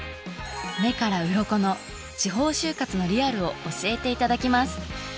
目からうろこの地方就活のリアルを教えていただきます。